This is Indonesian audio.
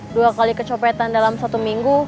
dua kali kecopetan dalam satu minggu